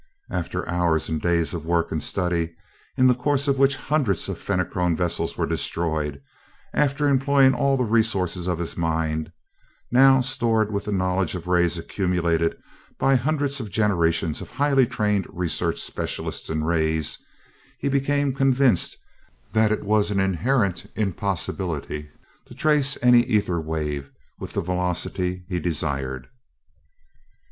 After hours and days of work and study in the course of which hundreds of the Fenachrone vessels were destroyed after employing all the resources of his mind, now stored with the knowledge of rays accumulated by hundreds of generations of highly trained research specialists in rays, he became convinced that it was an inherent impossibility to trace any ether wave with the velocity he desired.